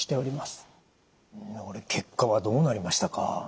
結果はどうなりましたか？